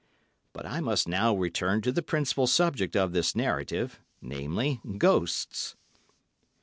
But I must now return to the principal subject of this narrative, namely, ghosts.